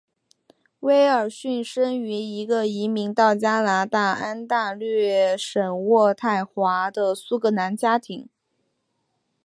威尔逊生于一个移民到加拿大安大略省渥太华的苏格兰家庭。